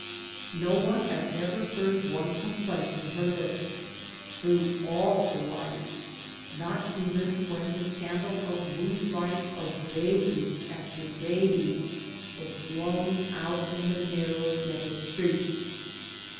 No one has ever heard one complaint from her lips through all her life, not even when the candle of wee life of baby after baby was blown out in the narrow ghetto streets.